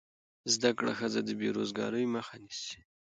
زده کړه ښځه د بېروزګارۍ مخه نیسي.